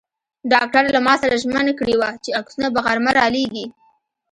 ډاکټر له ما سره ژمنه کړې وه چې عکسونه به غرمه را لېږي.